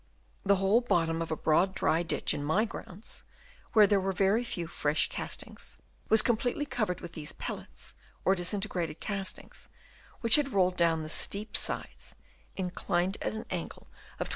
The whole bottom of a broad dry ditch in my grounds, where there were very few fresh castings, was completely covered with these pellets or disintegrated castings, which had rolled down the steep sides, inclined at an angle of 27°.